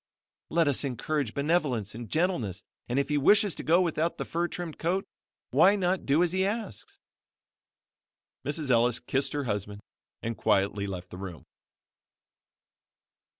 Let us encourage benevolence and gentleness and if he wishes to go without the fur trimmed coat, why not do as he asks?" Mrs. Ellis kissed her husband and quietly left the room.